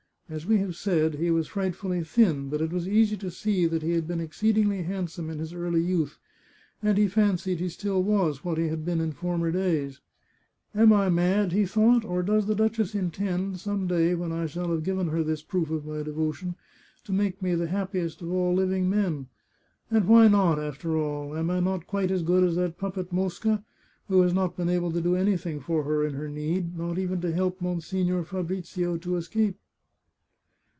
As we have said, he was frightfully thin, but it was easy to see that he had been exceedingly handsome in his early youth, and he fancied he still was what he had been in former days. "Am I mad?" he thought, "or does the duchess intend, some day, when I shall have given her this proof of my devotion, to make me the happiest of all living men? And why not, after all? Am I not quite as good as that puppet Mosca, who has not been able to do anything for her in her need — not even to help Monsignore Fabrizio to escape